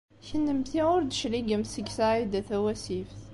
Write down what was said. Kennemti ur d-tecligemt seg Saɛida Tawasift.